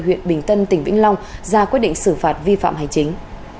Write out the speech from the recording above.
huyện bình tân tỉnh vĩnh long ra quyết định xử phạt vi phạm hành chính